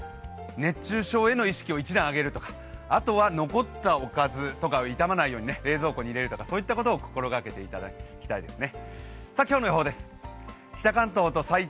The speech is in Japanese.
熱中症への意識を一段上げるとか、あとは残ったおかずとかはいたまないように冷蔵庫に入れるとかそういったことを心がけていただきたいですね。